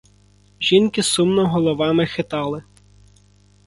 Жінки сумно головами хитали.